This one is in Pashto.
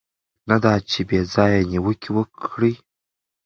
نه دا چې بې ځایه نیوکې وکړي.